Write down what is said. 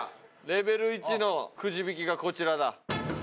レベル１のくじ引きがこちらだ。